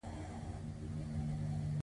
هغه د خوب په سمندر کې د امید څراغ ولید.